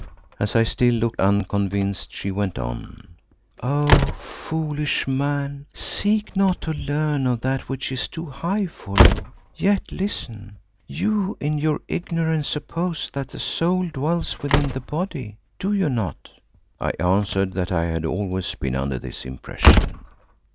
As I still looked unconvinced she went on, "Oh! foolish man, seek not to learn of that which is too high for you. Yet listen. You in your ignorance suppose that the soul dwells within the body, do you not?" I answered that I had always been under this impression.